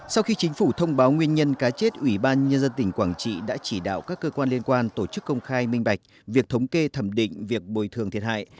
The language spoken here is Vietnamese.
sau khi chính phủ thông báo nguyên nhân cá chết ủy ban nhân dân tỉnh quảng trị đã chỉ đạo các cơ quan liên quan tổ chức công khai minh bạch việc thống kê thẩm định việc bồi thường thiệt hại